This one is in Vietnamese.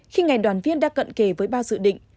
khi ngành đoàn viên đã cận kề với ba dự định